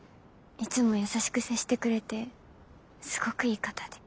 いつも優しく接してくれてすごくいい方で。